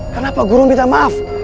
kenapa guru minta maaf